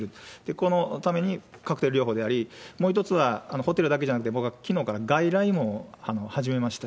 このためにカクテル療法であり、もう一つはホテルだけじゃなくて、僕はきのうから外来も始めました。